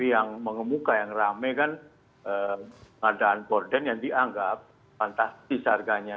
yang mengemuka yang rame kan pengadaan borden yang dianggap fantastis harganya